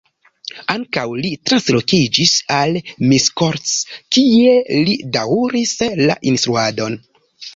Ankaŭ li translokiĝis al Miskolc, kie li daŭris la instruadon.